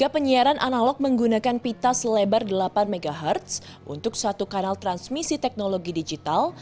penyiaran analog menggunakan pita selebar delapan mhz untuk satu kanal transmisi teknologi digital